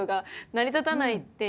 成り立たないっていう。